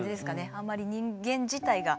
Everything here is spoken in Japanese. あんまり人間自体が。